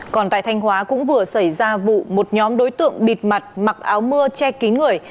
còn tại thanh hóa cũng vừa xảy ra vụ một nhóm đối tượng bịt mặt mặc áo mưa che kín người